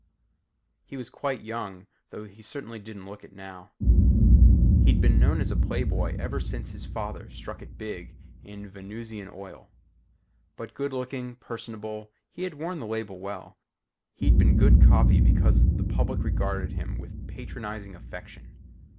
He was quite young though he certainly didn't look it now. He'd been known as a playboy ever since his father struck it big in Venusian oil. But good looking, personable, he had worn the label well. He'd been good copy because the public regarded him with patronizing affection.